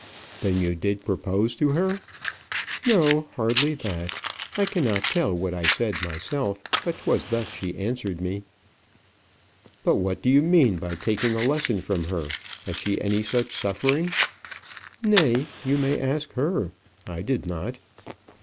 "Then you did propose to her?" "No; hardly that. I cannot tell what I said myself; but 'twas thus she answered me." "But what do you mean by taking a lesson from her? Has she any such suffering?" "Nay! You may ask her. I did not."